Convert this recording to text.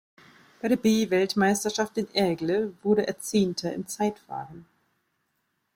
Bei der B-Weltmeisterschaft in Aigle wurde er Zehnter im Zeitfahren.